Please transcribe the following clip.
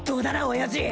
親父！